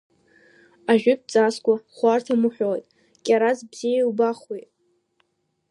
Ажәытә ҵасқәа хәарҭам уҳәоит, кьараз бзиа иубахуеит.